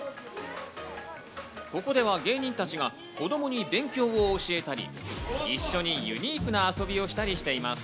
ここでは芸人たちが子供に勉強を教えたり、一緒にユニークな遊びをしたりしています。